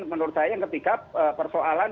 menurut saya ketiga persoalan